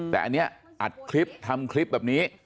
แต่อันนี้อัดคลิปทำคลิปแบบนี้